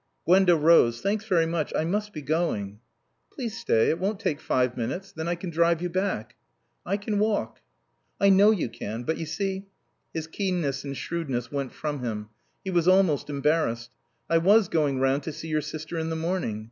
Gwenda rose. "Thanks very much, I must be going." "Please stay. It won't take five minutes. Then I can drive you back." "I can walk." "I know you can. But you see " His keenness and shrewdness went from him. He was almost embarrassed. "I was going round to see your sister in the morning.